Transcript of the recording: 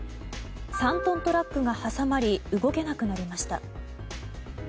３トントラックが挟まり動けなくなりました。